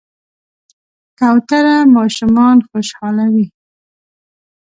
کوتره ماشومان خوشحالوي.